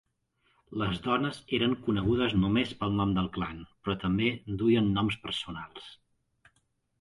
Les dones eren conegudes només pel nom del clan, però també duien noms personals.